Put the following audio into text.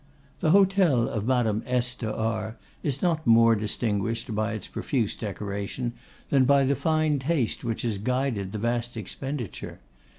The hotel of Madame S. de R d is not more distinguished by its profuse decoration, than by the fine taste which has guided the vast expenditure.